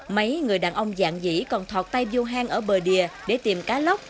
mấy người đàn ông dạng dĩ còn thoạt tay vô hang ở bờ đìa để tìm cá lóc